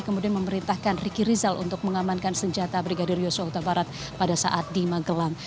kemudian memerintahkan riki rizal untuk mengamankan senjata brigadir yosua huta barat pada saat di magelang